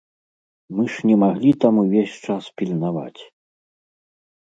Мы ж не маглі там увесь час пільнаваць!